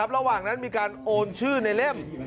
ระหว่างนั้นมีการโอนชื่อในเล่ม